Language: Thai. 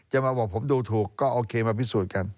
จะมาบอกผมดูถูกก็โอเคมาพิสูจน์กัน